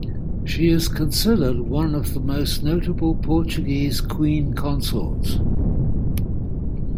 She is considered one of the most notable Portuguese queen consorts.